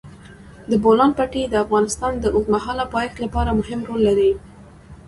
د بولان پټي د افغانستان د اوږدمهاله پایښت لپاره مهم رول لري.